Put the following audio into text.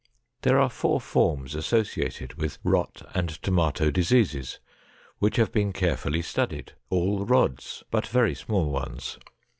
There are four forms associated with rot and tomato diseases which have been carefully studied—all rods, but very small ones.